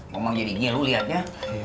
ngomong jadi gini lu liatnya